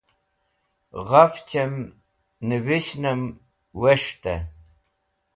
Ghafchẽm neveshẽnẽm was̃htẽ